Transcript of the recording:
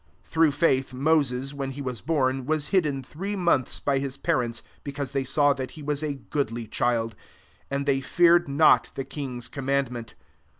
23 Through faith, Moses, vhen he was born, was hidden hree months by his parents, )ecause they saw tAat he waa a goodly child; and they feared lot the king's commandment.